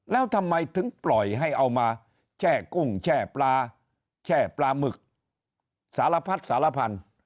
แล้วทำไมถึงปล่อยให้เอามาแช่กุ้งแช่ปลาแช่ปลาหมึกสารพัดสารพันธุ์